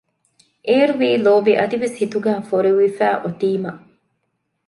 އޭރުވީ ލޯބި އަދިވެސް ހިތުގައި ފޮރުވިފައި އޮތީމަ